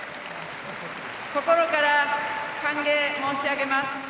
心から歓迎申し上げます。